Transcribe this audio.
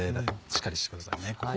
しっかりしてくださいね。